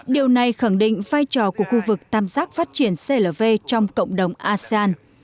điều này khẳng định vai trò của khu vực tam giác phát triển clv trong cộng đồng asean